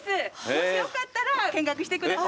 もしよかったら見学してください。